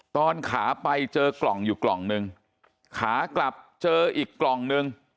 ตอนขาไปเจอกล่องอยู่กล่องนึงขากลับเจออีกกล่องนึง